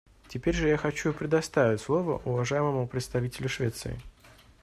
Теперь же я хочу предоставить слово уважаемому представителю Швеции.